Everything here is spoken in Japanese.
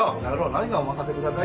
何が「お任せください」だよ。